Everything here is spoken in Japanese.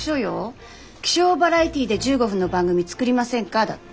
「気象バラエティーで１５分の番組作りませんか」だって。